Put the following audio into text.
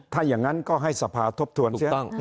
ถ้าอย่างนั้นก็ให้สภาทบทวนเสีย